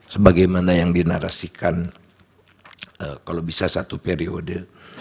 sebagaimana yang dinarasikan kalau bisa satu periode